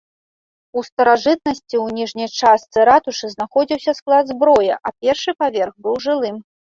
У старажытнасці у ніжняй частцы ратушы знаходзіўся склад зброі, а першы паверх быў жылым.